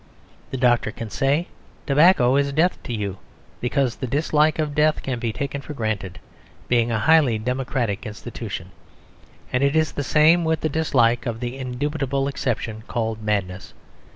The doctor can say, "Tobacco is death to you," because the dislike of death can be taken for granted, being a highly democratic institution; and it is the same with the dislike of the indubitable exception called madness.